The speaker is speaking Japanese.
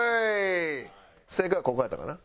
正解はここやったかな。